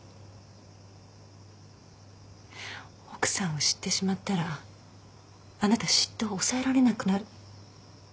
奥さんを知ってしまったらあなた嫉妬を抑えられなくなる。